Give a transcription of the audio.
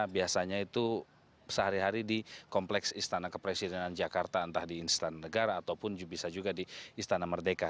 biasanya itu sehari hari di kompleks istana kepresidenan jakarta entah di istana negara ataupun bisa juga di istana merdeka